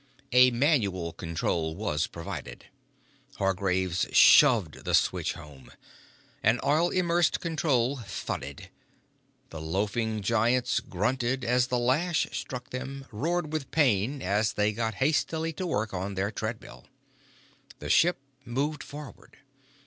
A manual control was provided. Hargraves shoved the switch home. An oil immersed control thudded. The loafing giants grunted as the lash struck them, roared with pain as they got hastily to work on their treadmill. The ship moved forward.